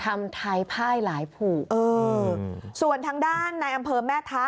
ทำไทยพ่ายหลายภูเออส่วนทางด้านในอำเภอแม่ทะ